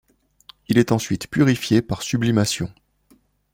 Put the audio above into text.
Il est ensuite purifié par sublimation.